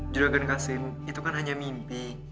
juragan kasim itu kan hanya mimpi